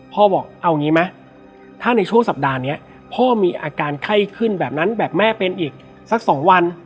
บอกเอางี้ไหมถ้าในช่วงสัปดาห์นี้พ่อมีอาการไข้ขึ้นแบบนั้นแบบแม่เป็นอีกสัก๒วัน